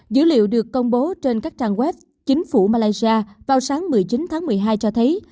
dữ liệu được công bố trên các trang web chính phủ malaysia vào sáng một mươi chín tháng một mươi hai cho thấy